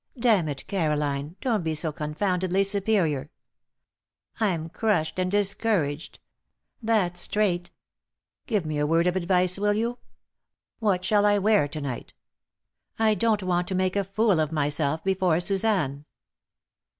"Damn it, Caroline, don't be so confoundedly superior! I'm crushed and discouraged. That's straight. Give me a word of advice, will you? What shall I wear to night? I don't want to make a fool of myself before Suzanne."